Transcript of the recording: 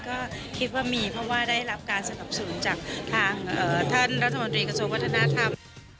ก็คิดว่ามีเพราะว่าได้รับการสนับสนุนจากทางท่านรัฐมนตรีกระทรวงวัฒนธรรม